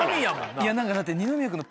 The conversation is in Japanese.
いや何かだって。